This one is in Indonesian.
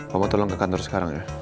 kamu tolong ke kantor sekarang ya